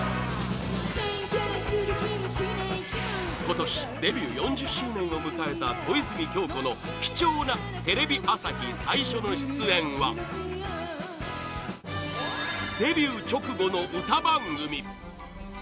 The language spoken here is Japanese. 「Ａｈ」今年デビュー４０周年を迎えた小泉今日子の貴重なテレビ朝日最初の出演はデビュー直後の歌番組！